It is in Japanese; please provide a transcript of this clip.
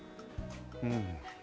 うん。